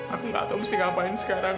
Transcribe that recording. aku gak tau mesti ngapain sekarang